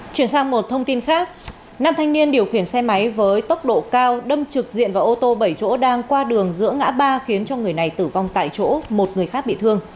chuyển sang một thông tin khác năm thanh niên điều khiển xe máy với tốc độ cao đâm trực diện vào ô tô bảy chỗ đang qua đường giữa ngã ba khiến cho người này tử vong tại chỗ một người khác bị thương